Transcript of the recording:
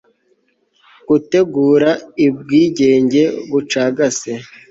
gutegura ubwigenge bucagase